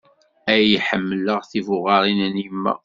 Ay ḥemmleɣ tibuɣarin n yemma.